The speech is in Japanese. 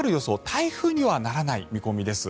台風にはならない見込みです。